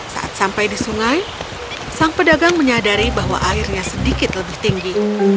saat sampai di sungai sang pedagang menyadari bahwa airnya sedikit lebih tinggi